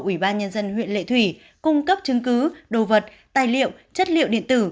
ủy ban nhân dân huyện lệ thủy cung cấp chứng cứ đồ vật tài liệu chất liệu điện tử